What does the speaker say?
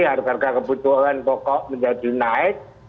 harga harga kebutuhan pokok menjadi naik